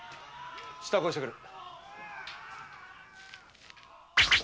支度をしてくる。